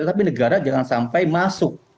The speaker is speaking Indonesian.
tapi negara jangan sampai masuk